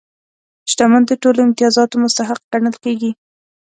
شتمن د ټولو امتیازاتو مستحق ګڼل کېږي.